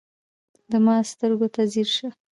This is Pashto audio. د ما سترګو ته ځیر شه